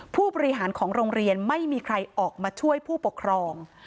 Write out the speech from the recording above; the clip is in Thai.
ผู้บริหารของโรงเรียนไม่มีใครออกมาช่วยผู้ปกครอง